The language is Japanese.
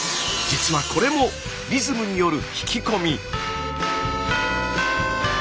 実はこれもリズムによる引き込み。